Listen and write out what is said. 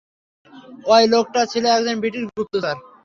অই লোকটা ছিল একজন ব্রিটিশ গুপ্তচর।